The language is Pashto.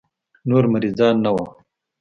نور مريضان نه وو.